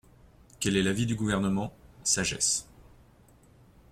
Quel est l’avis du Gouvernement ? Sagesse.